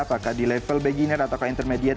apakah di level beginner atau intermediate